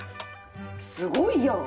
すごいやん！